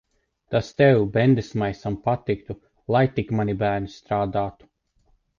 Tas tev, bendesmaisam, patiktu. Lai tik mani bērni strādātu.